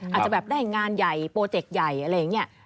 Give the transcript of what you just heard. อาจจะแบบได้งานใหญ่โปรเจกต์ใหญ่อะไรอย่างนี้